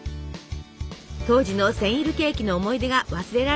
当時のセンイルケーキの思い出が忘れられないそう。